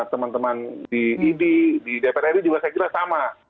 teman teman di idi di dpr ri juga saya kira sama